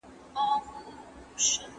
ایا ستا لور مکتب ته تللې ده؟